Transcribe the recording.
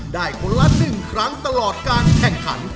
คนละ๑ครั้งตลอดการแข่งขัน